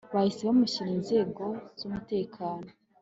bahise bamushyira inzego zumuteakano